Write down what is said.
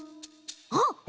あっ！